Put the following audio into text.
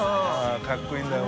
Δかっこいいんだよ